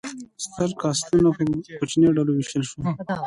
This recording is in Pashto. ستر کاستونه په کوچنیو ډلو وویشل شول.